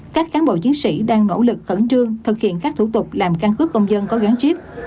các cán bộ chiến sĩ đang nỗ lực cẩn trương thực hiện các thủ tục làm căn cứ công dân có gán chiếp